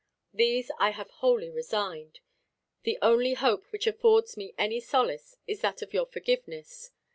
These I have wholly resigned. The only hope which affords me any solace is that of your forgiveness.